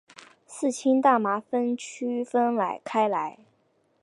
四氢大麻酚区分开来。